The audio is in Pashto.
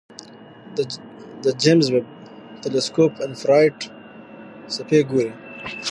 د جیمز ویب تلسکوپ انفراریډ څپې ګوري.